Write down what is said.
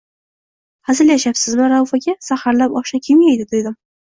–Xazillashyapsizmi Rauf aka, saharlab oshni kim yeydi? – dedim.